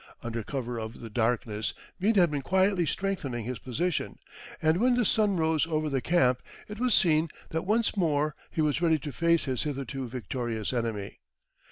Under cover of the darkness, Meade had been quietly strengthening his position, and when the sun rose over the camp, it was seen that once more he was ready to face his hitherto victorious enemy.